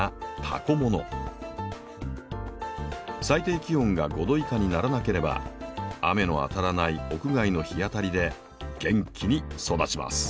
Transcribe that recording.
最低気温が５℃以下にならなければ雨の当たらない屋外の日当たりで元気に育ちます。